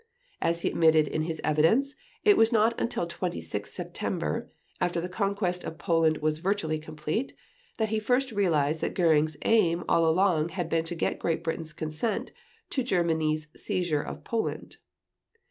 As he admitted in his evidence, it was not until 26 September, after the conquest of Poland was virtually complete, that he first realized that Göring's aim all along had been to get Great Britain's consent to Germany's seizure of Poland.